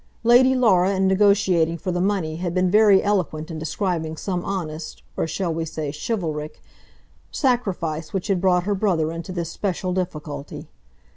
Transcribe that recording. Lady Laura in negotiating for the money had been very eloquent in describing some honest, or shall we say chivalric, sacrifice which had brought her brother into this special difficulty.